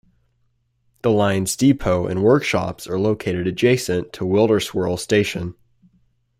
The line's depot and workshops are located adjacent to Wilderswil station.